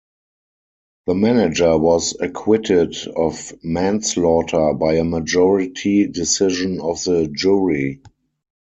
The manager was acquitted of manslaughter by a majority decision of the jury.